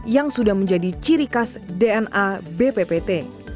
yang sudah menjadi ciri khas dna bppt